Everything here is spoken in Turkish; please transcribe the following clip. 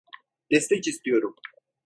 Destek istiyorum.